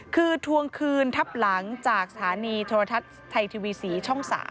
คือทวงคืนทับหลังจากสถานีโทรทัศน์ไทยทีวี๔ช่อง๓